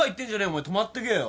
お前泊まってけよ。